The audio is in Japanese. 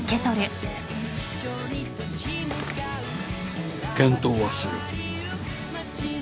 検討はする。